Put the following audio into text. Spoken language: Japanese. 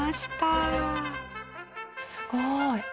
すごい。